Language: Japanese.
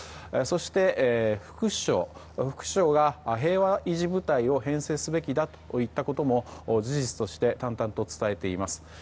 そして、副首相が平和維持部隊を編制すべきだといったことも事実として淡々と伝えています。